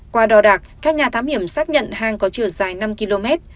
qua đo đạc các nhà thám hiểm xác nhận hang có chiều dài năm km